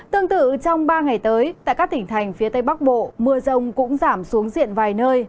tương tự trong ba ngày tới tại các tỉnh thành phía tây bắc bộ mưa rông cũng giảm xuống diện vài nơi